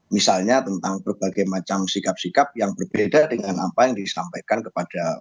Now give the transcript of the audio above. misalnya tentang berbagai macam sikap sikap yang berbeda dengan apa yang disampaikan kepada